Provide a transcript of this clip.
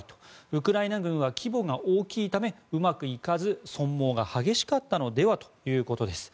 ウクライナ軍は規模が大きいためうまく行かず損耗が激しかったのではということです。